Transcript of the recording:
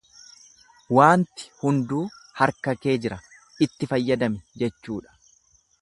Waanti hunduu harka kee jira, itti fayyadami jechuudha.